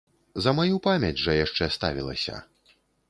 За маю памяць жа яшчэ ставілася.